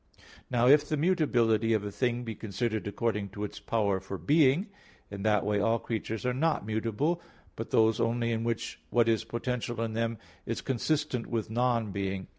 Now if the mutability of a thing be considered according to its power for being, in that way all creatures are not mutable, but those only in which what is potential in them is consistent with non being.